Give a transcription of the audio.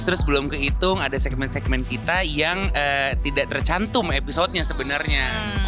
terus belum keitung ada segmen segmen kita yang tidak tercantum episode nya sebenernya